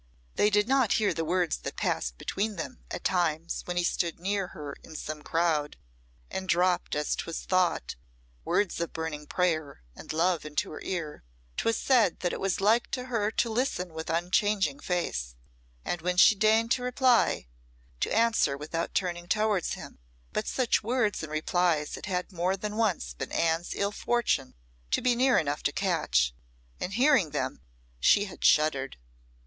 They did not hear the words that passed between them at times when he stood near her in some crowd, and dropped, as 'twas thought, words of burning prayer and love into her ear. 'Twas said that it was like her to listen with unchanging face, and when she deigned reply, to answer without turning towards him. But such words and replies it had more than once been Anne's ill fortune to be near enough to catch, and hearing them she had shuddered.